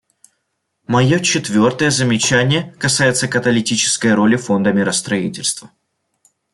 Мое четвертое замечание касается каталитической роли Фонда миростроительства.